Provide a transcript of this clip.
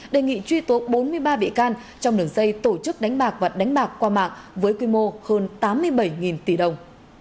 đề nghị truy tố bốn mươi ba bị can trong đường dây tổ chức đánh bạc và đánh bạc qua mạng với quy mô hơn tám mươi bảy tỷ đồng